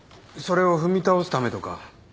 それを踏み倒すためとか。